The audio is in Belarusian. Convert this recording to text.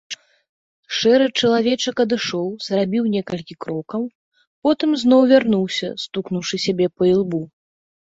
Шэры чалавечак адышоў, зрабіў некалькі крокаў, потым зноў вярнуўся, стукнуўшы сябе па ілбу.